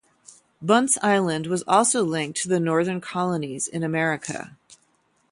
Bunce Island was also linked to the Northern colonies in America.